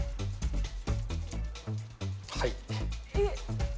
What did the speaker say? はい。